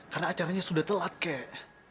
karena acaranya sudah telat kek